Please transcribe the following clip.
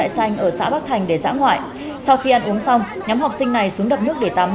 xã bắc thành để giã ngoại sau khi ăn uống xong nhóm học sinh này xuống đập nước để tắm